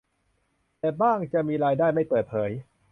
แต่บ้างจะมีรายได้ไม่เปิดเผย